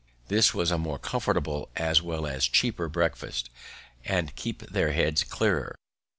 This was a more comfortable as well as cheaper breakfast, and keep their heads clearer.